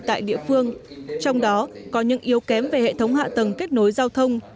tại địa phương trong đó có những yếu kém về hệ thống hạ tầng kết nối giao thông